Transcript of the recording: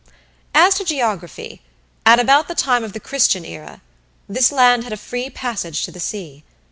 As to geography at about the time of the Christian era this land had a free passage to the sea.